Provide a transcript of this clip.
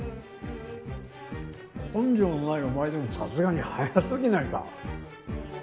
根性のないお前でもさすがに早すぎないか？